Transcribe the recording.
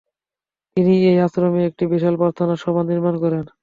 তিনি এই আশ্রমে একটি বিশাল প্রার্থনা সভা নির্মাণ করেন।